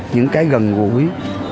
những cái gần gũi